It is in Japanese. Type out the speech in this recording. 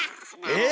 え